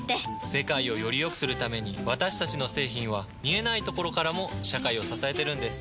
世界をよりよくするために私たちの製品は見えないところからも社会を支えてるんです。